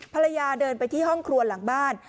ภรรยาเดินไปที่ห้องครัวหลังบ้าน